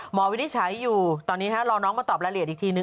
วินิจฉัยอยู่ตอนนี้รอน้องมาตอบรายละเอียดอีกทีนึ